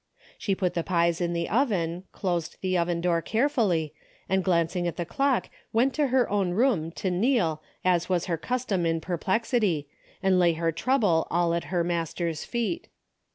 She put the pies in the oven, closed the oven door carefully, and glancing at the clock went to her own room to kneel as was her custom in perplexity and lay her trouble all at her Master's feet.